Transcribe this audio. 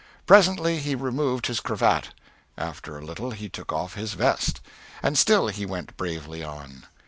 Presently he removed his cravat; after a little he took off his vest; and still he went bravely on.